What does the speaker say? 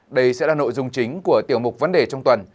đây sẽ là nội dung chính của tiểu mục vấn đề trong tuần